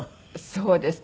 そうですね。